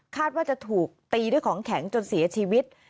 ว่าจะถูกตีด้วยของแข็งจนเสียชีวิต